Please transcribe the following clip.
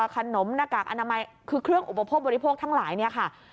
ขนมหน้ากากอนามัยคือเครื่องอุปโภคบริโภคทั้งหลายเนี่ยค่ะ